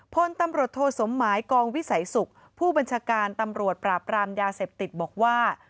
พลตำรวจโทสมหมายกองวิสัยศุกร์ผู้บัญชาการตำรวจปราบรามยาเสพติดบอกว่า